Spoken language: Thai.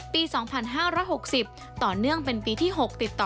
กระแสรักสุขภาพและการก้าวขัด